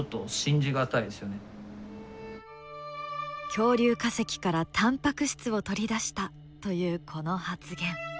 恐竜化石からタンパク質を取り出したというこの発言。